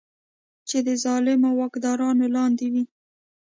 چې د ظالمو واکدارانو لاندې وي.